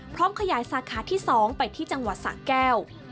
พร้อมขยายสาขาที่๒ไปที่จังหวัดสะแก้ว